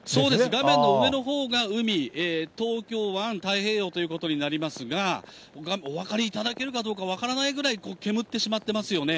画面の上のほうが海、東京湾、太平洋ということになりますが、お分かりいただけるかどうか、分からないぐらい、煙ってしまってますよね。